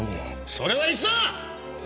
それはいつだ？